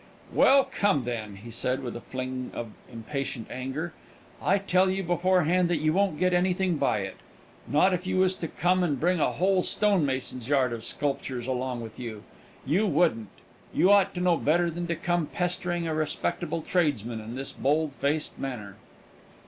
"Well, come then!" he said, with a fling of impatient anger. "I tell you beforehand that you won't get anything by it. Not if you was to come and bring a whole stonemason's yard of sculptures along with you, you wouldn't! You ought to know better than to come pestering a respectable tradesman in this bold faced manner!"